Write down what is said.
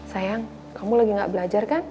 sayang kamu lagi gak belajar kan